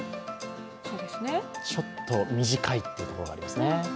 ちょっと短いというところがありますね。